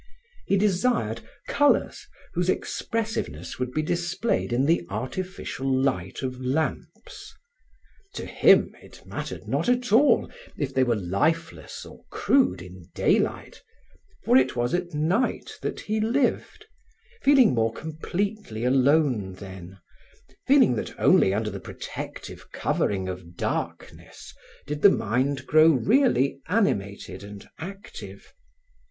He desired colors whose expressiveness would be displayed in the artificial light of lamps. To him it mattered not at all if they were lifeless or crude in daylight, for it was at night that he lived, feeling more completely alone then, feeling that only under the protective covering of darkness did the mind grow really animated and active.